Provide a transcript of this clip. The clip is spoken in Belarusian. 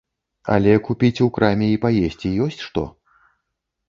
Але купіць у краме і паесці ёсць што?